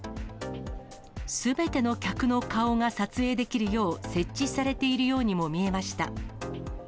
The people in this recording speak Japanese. すべての客の顔が撮影できるよう、設置されているようにも見えました。